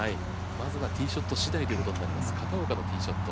まずはティーショットしだいということになります片岡のティーショット。